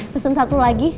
pesen satu lagi